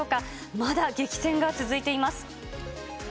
まだ激戦が続いています。